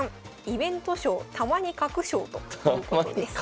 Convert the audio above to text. イベント将たまに描く将ということです。